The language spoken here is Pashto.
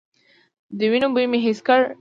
د وينو بوی مې حس کړ.